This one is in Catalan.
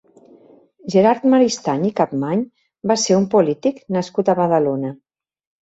Gerard Maristany i Campmany va ser un polític nascut a Badalona.